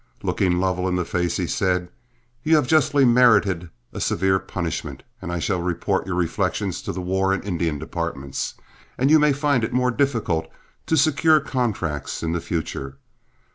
Looking Lovell in the face, he said: "You have justly merited a severe punishment, and I shall report your reflections to the War and Indian departments, and you may find it more difficult to secure contracts in the future.